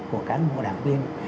của cán bộ đảng tuyên